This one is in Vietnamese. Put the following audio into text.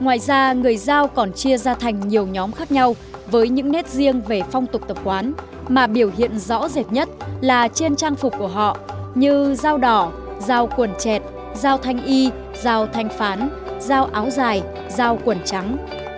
ngoài ra người giao còn chia ra thành nhiều nhóm khác nhau với những nét riêng về phong tục tập quán mà biểu hiện rõ rệt nhất là trên trang phục của họ như dao đỏ dao quần chẹt giao thanh y dao thanh phán giao áo dài dao quần trắng